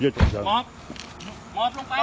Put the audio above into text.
จุดแง่น้ำสองคน